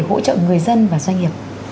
hỗ trợ người dân và doanh nghiệp